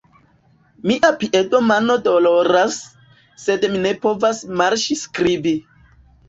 Mia piedo mano doloras, mi ne povas marŝi skribi.